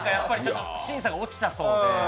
審査が落ちたそうで。